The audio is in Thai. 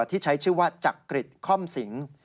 ที่ใช้ชื่อว่าจักริจค่อมสิง